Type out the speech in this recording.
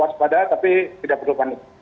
waspada tapi tidak perlu panik